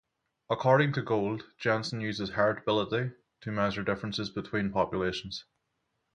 According to Gould, Jensen uses heritability to measure differences "between" populations.